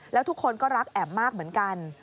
แล้วทุกคนก็รักแอ๋มมากเหมือนกัน